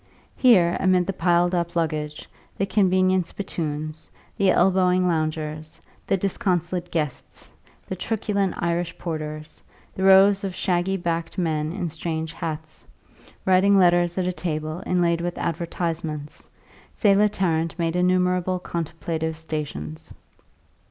Here, amid the piled up luggage, the convenient spittoons, the elbowing loungers, the disconsolate "guests," the truculent Irish porters, the rows of shaggy backed men in strange hats, writing letters at a table inlaid with advertisements, Selah Tarrant made innumerable contemplative stations.